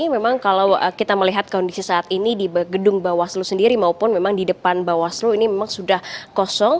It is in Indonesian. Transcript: memang kalau kita melihat kondisi saat ini di gedung bawaslu sendiri maupun memang di depan bawaslu ini memang sudah kosong